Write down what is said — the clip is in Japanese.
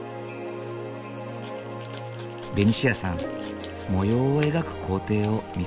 ベニシアさん模様を描く工程を見せてもらう。